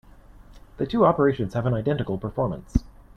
The two operations have an identical performance.